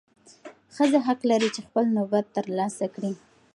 ښځه حق لري چې خپل نوبت ترلاسه کړي.